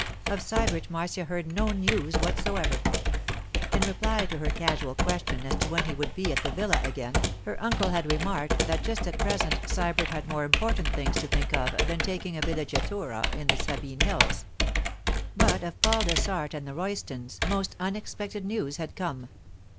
Of Sybert Marcia heard no news whatever. In reply to her casual question as to when he would be at the villa again, her uncle had remarked that just at present Sybert had more important things to think of than taking a villeggiatura in the Sabine hills. But of Paul Dessart and the Roystons most unexpected news had come.